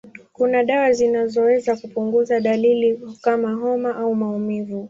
Kuna dawa zinazoweza kupunguza dalili kama homa au maumivu.